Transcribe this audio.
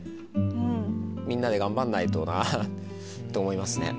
みんなで頑張らないとなぁと思いますね。